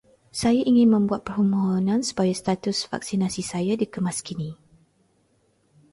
Saya ingin membuat permohonan supaya status vaksinasi saya dikemaskini.